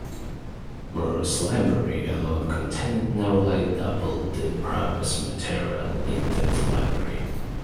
Moore's library alone contained nearly double the previous material in that library.